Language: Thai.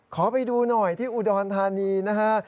ขอไปดูหน่อยที่อุดรธานีนะฮะ